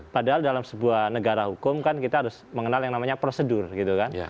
padahal dalam sebuah negara hukum kan kita harus mengenal yang namanya prosedur gitu kan